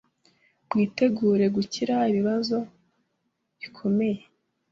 Mwitegure kugira ibibazo gikomeye